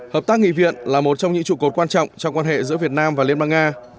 hợp tác nghị viện là một trong những trụ cột quan trọng trong quan hệ giữa việt nam và liên bang nga